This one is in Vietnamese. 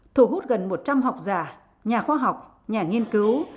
thu hút gần một trăm linh học giả nhà khoa học nhà nghiên cứu